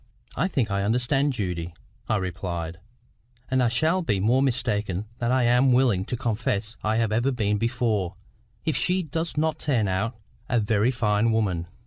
"I think I understand Judy," I replied; "and I shall be more mistaken than I am willing to confess I have ever been before, if she does not turn out a very fine woman.